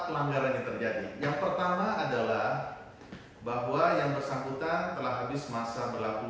pelanggaran yang terjadi yang pertama adalah bahwa yang bersangkutan telah habis masa berlaku